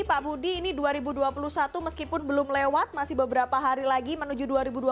pak budi ini dua ribu dua puluh satu meskipun belum lewat masih beberapa hari lagi menuju dua ribu dua puluh